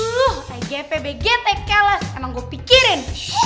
loh igp bgt keles emang gue pikirin